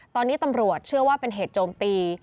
ตอนนี้ตำรวจเชื่อว่าเป็นเหตุโจมตี